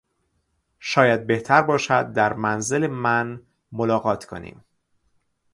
شاید بهتر باشد در منزل من ملاقات کنیم.